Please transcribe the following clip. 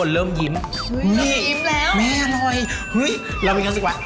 เราหิ้มแล้วแม่อร่อยเรามีอย่างเลี้ยงกว่า